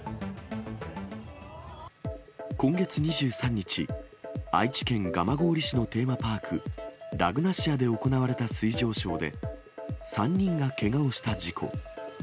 今月２３日、愛知県蒲郡市のテーマパーク、ラグナシアで行われた水上ショーで、３人がけがをした事故。